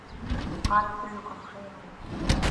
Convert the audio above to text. قَالَ كُلُّكُمْ خَيْرٌ مِنْهُ